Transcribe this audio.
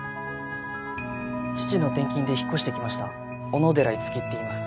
父の転勤で引っ越してきました小野寺いつきっていいます。